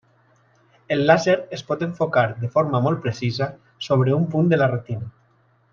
El làser es pot enfocar de forma molt precisa sobre un punt de la retina.